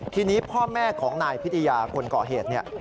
ทีนี้พ่อแม่ของนายพิธยาคนเกาะเหตุ